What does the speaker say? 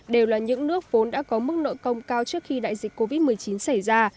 đều là những nước vốn đã có mức nợ công cao trước khi đại dịch covid một mươi chín xảy ra